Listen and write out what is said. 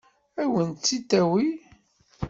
Ad wen-tt-id-tawi?